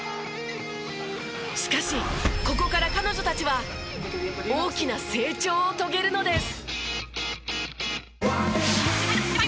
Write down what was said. しかしここから彼女たちは大きな成長を遂げるのです。